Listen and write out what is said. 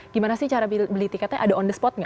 gimana sih cara beli tiketnya ada on the spot nggak